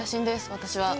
私は。